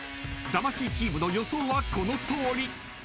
［魂チームの予想はこのとおり］